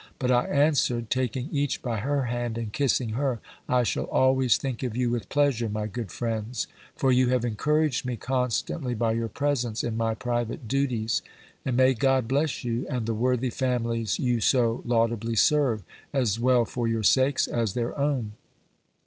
But I answered, taking each by her hand, and kissing her, "I shall always think of you with pleasure, my good friends; for you have encouraged me constantly by your presence in my private duties; and may God bless you, and the worthy families you so laudably serve, as well for your sakes, as their own!"